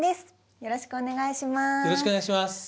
よろしくお願いします。